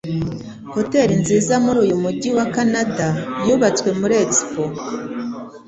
Hotel nziza muri uyu mujyi wa Kanada yubatswe kuri Expo